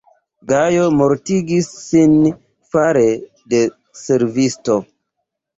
Gajo mortigis sin fare de servisto.